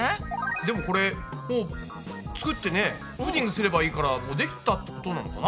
でもこれもう作ってねプディングすればいいからできたってことなのかな？